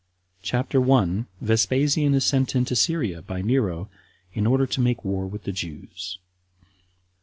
CHAPTER 1. Vespasian Is Sent Into Syria By Nero In Order To Make War With The Jews.